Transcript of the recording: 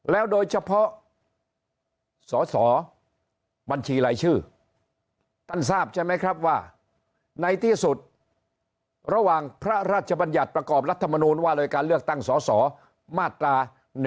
แล้วโดยเฉพาะสอสอบัญชีรายชื่อท่านทราบใช่ไหมครับว่าในที่สุดระหว่างพระราชบัญญัติประกอบรัฐมนูลว่าเลยการเลือกตั้งสสมาตรา๑๑